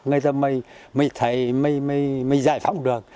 người ta mới thấy mới giải phóng được